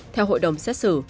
theo hội đồng xét xử